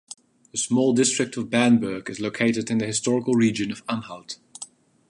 The small district of Bernburg is located in the historical region of Anhalt.